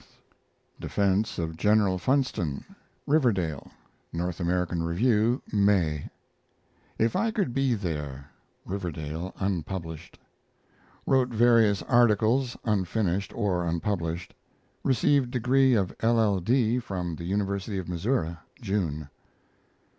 DEFENSE OF GENERAL FUNSTON (Riverdale) N. A. Rev., May. IF I COULD BE THERE (Riverdale unpublished). Wrote various articles, unfinished or unpublished. Received degree of LL.D. from the University of Missouri, June.